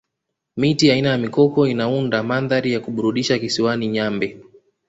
miti aina ya mikoko inaunda mandhari ya kuburudisha kisiwani nyambe